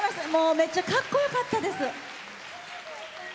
めっちゃかっこよかったです。